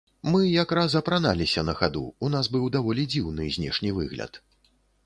Мы як раз апраналіся на хаду, у нас быў даволі дзіўны знешні выгляд.